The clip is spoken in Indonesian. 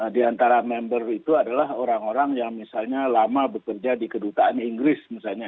di antara member itu adalah orang orang yang misalnya lama bekerja di kedutaan inggris misalnya